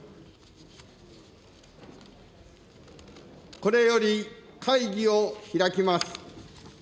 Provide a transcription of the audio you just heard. これより会議を開きます。